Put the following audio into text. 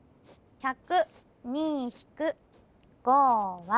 １０２ひく５は。